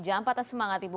jangan patah semangat ibu